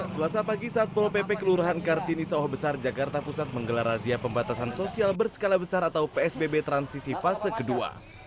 selasa pagi satpol pp kelurahan kartini sawah besar jakarta pusat menggelar razia pembatasan sosial berskala besar atau psbb transisi fase kedua